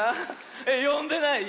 えっよんでない？